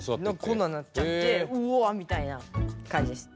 こんななっちゃってうわみたいなかんじです。